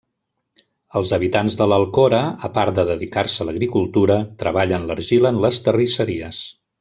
Els habitants de l'Alcora, a part de dedicar-se a l'agricultura, treballen l'argila en les terrisseries.